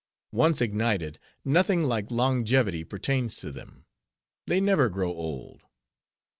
Once ignited, nothing like longevity pertains to them. They never grow old.